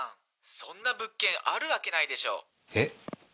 そんな物件あるわけないでしょ。